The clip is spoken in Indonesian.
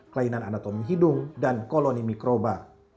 kelainan anatomi hidung dan koloni mikroba